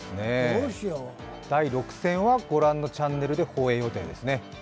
第６戦は御覧のチャンネルで放映予定ですね。